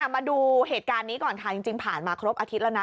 มาดูเหตุการณ์นี้ก่อนค่ะจริงผ่านมาครบอาทิตย์แล้วนะ